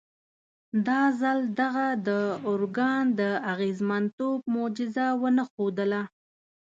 دا ځل دغه داروګان د اغېزمنتوب معجزه ونه ښودله.